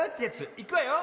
いくわよ。